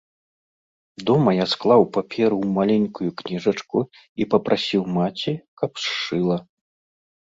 Дома я склаў паперу ў маленькую кніжачку і папрасіў маці, каб сшыла.